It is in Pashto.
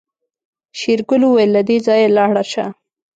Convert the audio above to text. شېرګل وويل له دې ځايه لاړه شه.